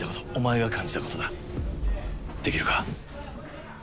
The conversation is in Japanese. できるか？